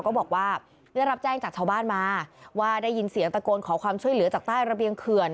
ก็บอกว่าได้รับแจ้งจากชาวบ้านมาว่าได้ยินเสียงตะโกนขอความช่วยเหลือจากใต้ระเบียงเขื่อน